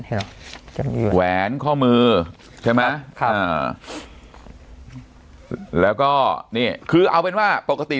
ครับจะมีแหวนข้อมือใช่ไหมครับอ่าแล้วก็นี่คือเอาเป็นว่าปกติ